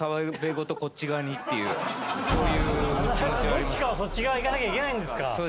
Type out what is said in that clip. どっちかはそっち側行かなきゃいけないんですか？